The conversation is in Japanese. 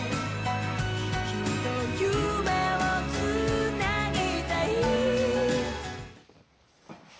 「君と夢をつなぎたい」